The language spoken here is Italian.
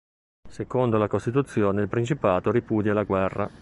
Secondo la Costituzione, il Principato ripudia la guerra.